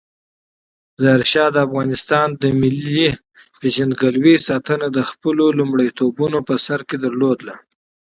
ظاهرشاه د افغانستان د ملي هویت ساتنه د خپلو لومړیتوبونو په سر کې درلودله.